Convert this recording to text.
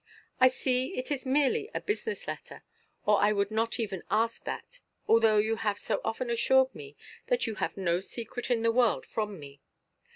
I see it is merely a business letter, or I would not ask even that; although you have so often assured me that you have no secret in the world from me.